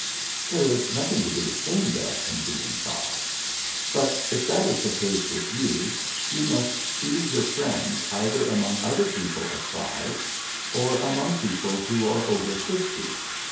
There is nothing to be ashamed of in being five; but if that is the case with you, you must choose your friends either among other people of five or among people who are over fifty.